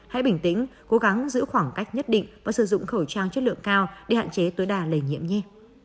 hãy bình tĩnh cố gắng giữ khoảng cách nhất định và sử dụng khẩu trang chất lượng cao để hạn chế tối đa lây nhiễm nhi